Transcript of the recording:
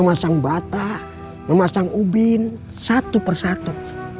memasang bata memasang ubin satu per satu